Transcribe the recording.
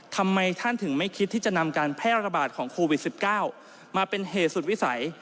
ทำไมท่านถึงไม่คิดที่จะนำการแพร่ระบาดของโควิด๑๙มาเป็นเหตุสุดวิสัย